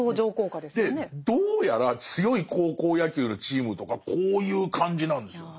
でどうやら強い高校野球のチームとかこういう感じなんですよ。